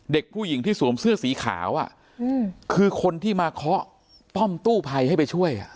เด็กผู้หญิงที่สวมเสื้อสีขาวคือคนที่มาเคาะป้อมกู้ภัยให้ไปช่วย